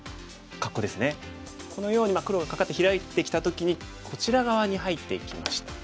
このように黒がカカってヒラいてきた時にこちら側に入っていきました。